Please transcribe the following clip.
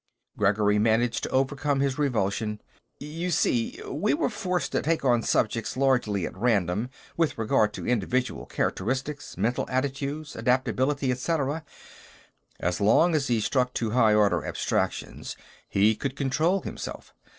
Gregory managed to overcome his revulsion. "You see, we were forced to take our subjects largely at random with regard to individual characteristics, mental attitudes, adaptability, et cetera." As long as he stuck to high order abstractions, he could control himself.